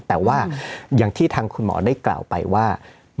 แต่ว่าอย่างที่ทางคุณหมอได้กล่าวไปว่า